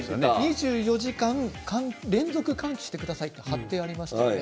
２４時間連続換気してくださいと貼ってありましたね。